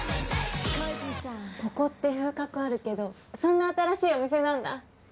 ここって風格あるけどそんな新しいお店なんだ？